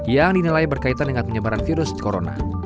yang dinilai berkaitan dengan penyebaran virus corona